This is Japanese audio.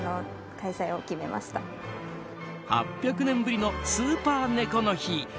８００年ぶりのスーパー猫の日。